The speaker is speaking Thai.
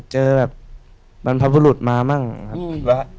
เจอแบบบรรพบุรุษมามั่งครับ